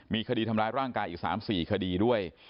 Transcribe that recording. มีคดีทำร้ายร่างกายอีก๓๔คดีด้วย